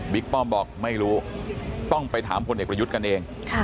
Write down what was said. ป้อมบอกไม่รู้ต้องไปถามพลเอกประยุทธ์กันเอง